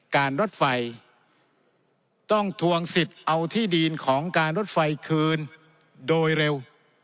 การรถไฟต้องทวงสิทธิ์เอาที่ดินของการรถไฟคืนโดยเร็ว